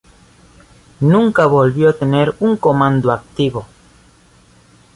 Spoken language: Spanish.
Nunca volvió a tener un comando activo.